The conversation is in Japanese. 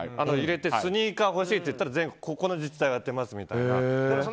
スニーカーが欲しいってなったらここで自治体がやってるみたいな。